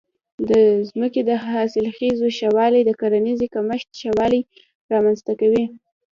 د ځمکې د حاصلخېزۍ ښه والی د کرنیزې کښت ښه والی رامنځته کوي.